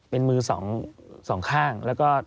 เป็นมือสองข้างแล้วก็